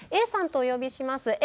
Ａさんとお呼びします。